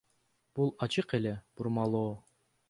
Бул ачык эле бурмалоо.